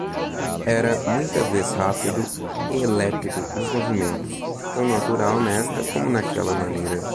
era muita vez rápido e lépido nos movimentos, tão natural nesta como naquela maneira.